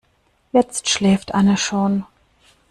Jetzt schläft Anne schon.